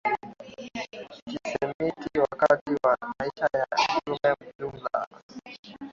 ya Kisemiti Wakati wa maisha ya Mitume dhuluma